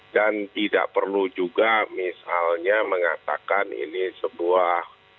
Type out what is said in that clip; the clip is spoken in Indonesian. dan tidak perlu juga misalnya mengatakan ini sebuah